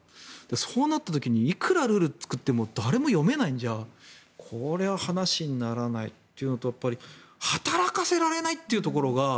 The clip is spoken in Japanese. そうなった時にいくらルールを作ったとしても誰も読めないんじゃこれは話にならないというのと働かせられないというところ。